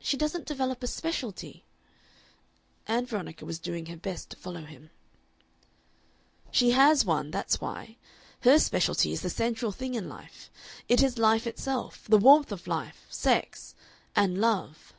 "She doesn't develop a specialty." Ann Veronica was doing her best to follow him. "She has one, that's why. Her specialty is the central thing in life, it is life itself, the warmth of life, sex and love."